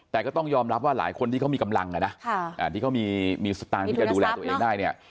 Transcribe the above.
แต่ก็ต้องยอมรับว่าหลายคนที่เขามีกำลังอ่ะนะที่เขามีสตางค์ที่จะดูแลตัวเองได้เนี่ย